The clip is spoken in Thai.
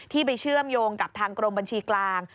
ไปเชื่อมโยงกับทางกรมบัญชีกลาง